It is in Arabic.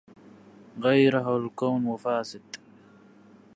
غيره الكون والفساد